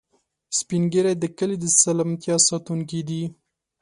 سپین ږیری د کلي د سلامتیا ساتونکي دي